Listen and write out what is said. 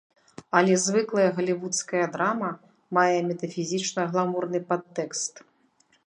Але звыклая галівудская драма мае метафізічна-гламурны падтэкст.